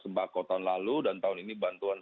sembako tahun lalu dan tahun ini bantuan